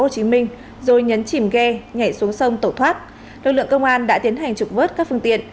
công an tp hồ chí minh đã tiến hành trục vớt các phương tiện